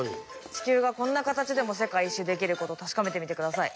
地球がこんな形でも世界一周できること確かめてみて下さい。